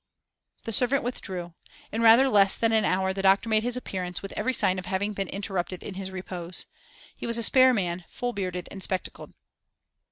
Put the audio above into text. The servant withdrew. In rather less than an hour the doctor made his appearance, with every sign of having been interrupted in his repose. He was a spare man, full bearded and spectacled.